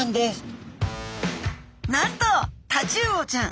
なんとタチウオちゃん